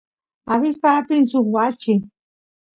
abispa apin suk wachi